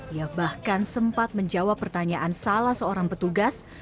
ia bahkan sempat menjawab pertanyaan salah seorang petugas